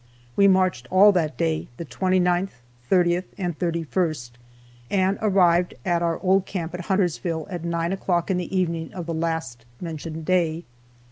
We marched all that day, the 29th, 30th, and 31st, and arrived at our old camp at Huntersville at 9 o'clock in the evening of the last mentioned day.